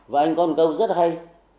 và anh có một câu rất hay